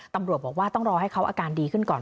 ตำรวจบอกว่าต้องรอให้เขาอาการดีขึ้นก่อน